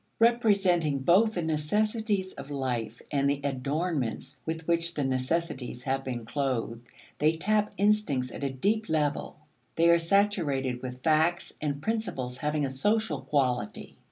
Representing both the necessities of life and the adornments with which the necessities have been clothed, they tap instincts at a deep level; they are saturated with facts and principles having a social quality.